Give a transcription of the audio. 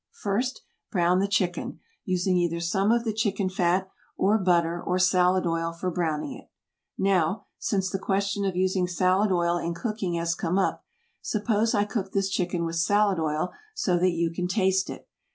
First brown the chicken, using either some of the chicken fat, or butter, or salad oil for browning it. Now, since the question of using salad oil in cooking has come up, suppose I cook this chicken with salad oil so that you can taste it.